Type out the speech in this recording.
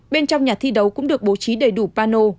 bên trong nhà thi đấu cũng được bố trí đầy đủ pano